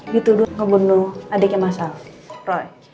dituduh ngebunuh adiknya mas al